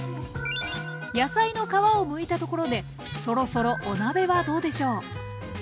野菜の皮をむいたところでそろそろお鍋はどうでしょう？